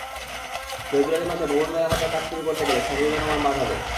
ফেব্রুয়ারি মাসে ভবন মেরামতের কাজ শুরু করতে গেলে স্থানীয় জনগণ বাধা দেয়।